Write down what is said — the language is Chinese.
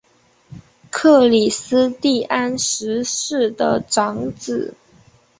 克里斯蒂安十世的长子。